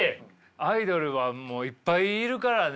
アイドルはもういっぱいいるからね。